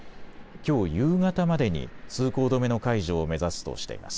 きょう夕方までに通行止めの解除を目指すとしています。